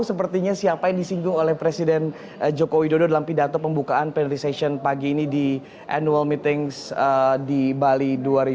sepertinya siapa yang disinggung oleh presiden joko widodo dalam pidato pembukaan plenary session pagi ini di annual meetings di bali dua ribu dua puluh